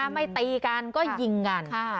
ไม่ตีกันก็ยิงกัน